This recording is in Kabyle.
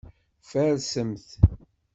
Farsemt.